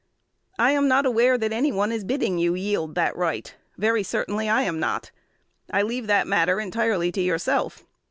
I am not aware that any one is bidding you yield that right: very certainly I am not. I leave that matter entirely to yourself.